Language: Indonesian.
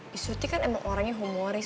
bi surti kan emang orangnya humoris